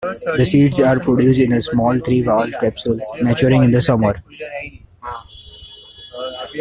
The seeds are produced in a small, three-valved capsule, maturing in summer.